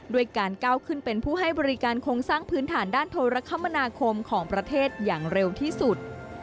ด้วยการก้าวขึ้นเป็นผู้ให้บริการโครงสร้างพื้นฐานด้านโทรคมนาคมของประเทศอย่างเร็วที่สุด